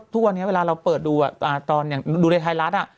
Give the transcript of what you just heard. ถูกว่านี้เวลาเราเปิดดูอะในดูได้ไทรลัสอะ